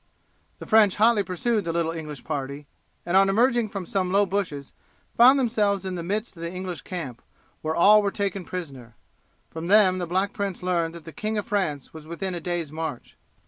The French hotly pursued the little English party, and on emerging from some low bushes found themselves in the midst of the English camp, where all were taken prisoners. From them the Black Prince learned that the King of France was within a day's march.